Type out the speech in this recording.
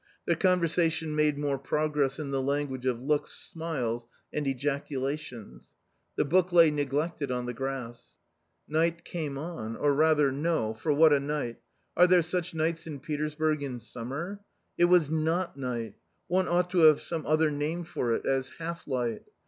Their conversation made more progress in the language of looks, smiles, and ejaculations. The book lay neglected on the grass. Night came on — or rather no, for what a night ! Are there such nights in Petersburg in summer ? It was not night ; one ought to have some other name for it — as half light.